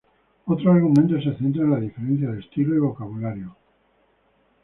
Otro argumento se centra en las diferencias de estilo y vocabulario.